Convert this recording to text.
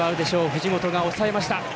藤本が抑えました。